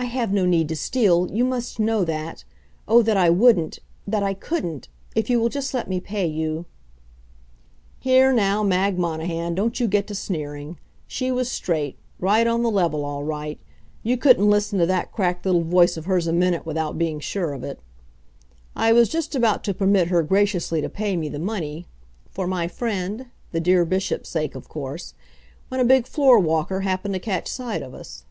"I have no need to steal you must know that oh, that I wouldn't that I couldn't If you will just let me pay you " Here now, Mag Monahan, don't you get to sneering. She was straight right on the level, all right. You couldn't listen to that cracked little voice of hers a minute without being sure of it. I was just about to permit her graciously to pay me the money, for my friend? the dear Bishop's sake, of course, when a big floor walker happened to catch sight of us.